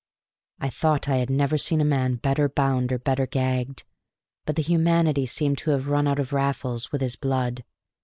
I thought I had never seen a man better bound or better gagged. But the humanity seemed to have run out of Raffles with his blood.